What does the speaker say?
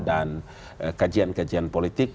dan kajian kajian politik